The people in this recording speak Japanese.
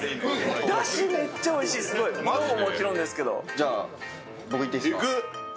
じゃ、僕いっていいですか。